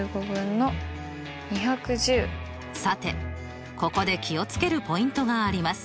さてここで気を付けるポイントがあります。